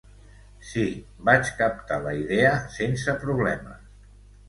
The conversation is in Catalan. Sí, vaig captar la idea sense problemes.